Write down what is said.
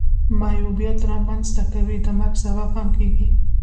معیوبیت را منځ ته کوي د مرګ سبب هم کیږي.